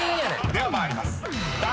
［では参ります］